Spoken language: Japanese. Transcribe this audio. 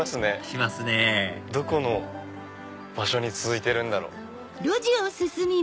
しますねどこの場所に続いてるんだろう？